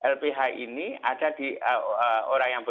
lph ini ada di oraya yang lain